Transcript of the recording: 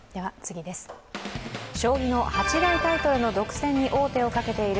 将棋の８大タイトルの独占に王手をかけている